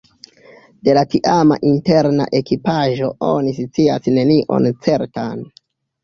De la tiama interna ekipaĵo oni scias nenion certan.